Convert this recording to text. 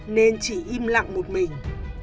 nên chỉ im lặng một mình